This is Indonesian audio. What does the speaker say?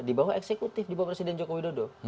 di bawah eksekutif di bawah presiden jokowi dodo